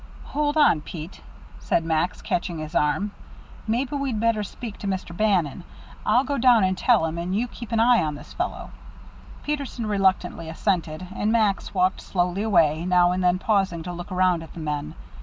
"Hold on, Pete," said Max, catching his arm. "Maybe we'd better speak to Mr. Bannon. I'll go down and tell him, and you keep an eye on this fellow." Peterson reluctantly assented, and Max walked slowly away, now and then pausing to look around at the men.